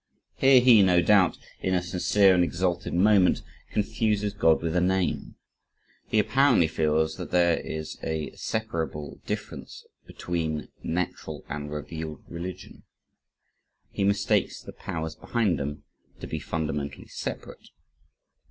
Here he, no doubt, in a sincere and exalted moment, confuses God with a name. He apparently feels that there is a separable difference between natural and revealed religion. He mistakes the powers behind them, to be fundamentally separate.